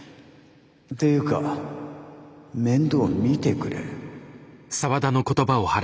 ってゆうか面倒見てくれ。